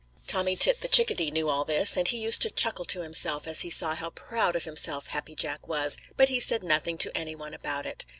Tommy Tit the Chickadee knew all this, and he used to chuckle to himself as he saw how proud of himself Happy Jack was, but he said nothing to any one about it.